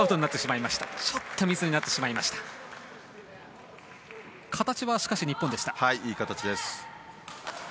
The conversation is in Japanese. いい形です。